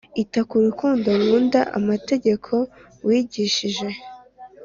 Ita ku rukundo nkunda amategeko wigishije